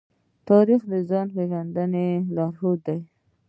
تاریخ د ځان پېژندنې لارښود دی.